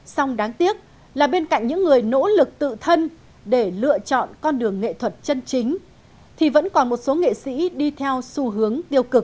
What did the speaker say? song đáng tiếc là bên cạnh những người nỗ lực tự thân để lựa chọn con đường nghệ thuật chân chính thì vẫn còn một số nghệ sĩ đi theo xu hướng tiêu cực